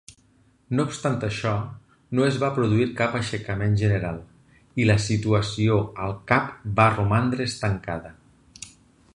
No obstant això, no es va produir cap aixecament general, i la situació al Cap va romandre estancada.